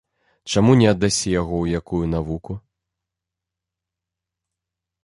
Чаму не аддасі яго ў якую навуку?